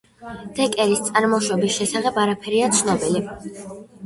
დეკერის წარმოშობის შესახებ არაფერია ცნობილი.